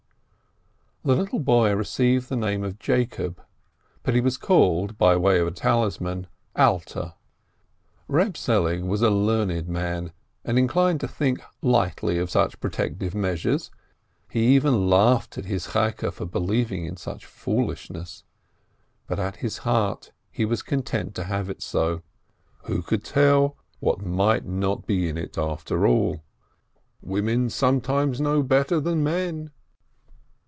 The little boy received the name of Jacob, but he was called, by way of a talisman, Alter. Eeb Selig was a learned man, and inclined to think lightly of such protective measures; he even laughed at his 'Cheike for believing in such foolishness; but, at heart, he was content to have it so. Who could tell what might not be in it, after all? Women sometimes know better than men.